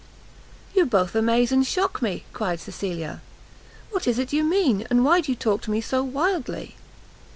"You both amaze and shock me!" cried Cecilia, "what is it you mean, and why do you talk to me so wildly?"